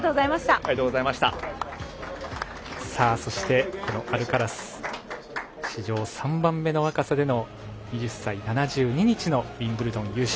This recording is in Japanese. そして、このアルカラス史上３番目の若さでの２０歳７２日でのウィンブルドン優勝。